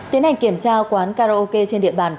tiến hành kiểm tra quán karaoke trên địa bàn